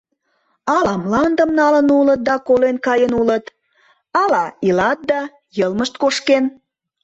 Ала мландым налын улыт да колен каен улыт, ала, илат да, йылмышт кошкен.